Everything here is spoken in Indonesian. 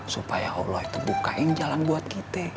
supaya allah itu bukain jalan buat kita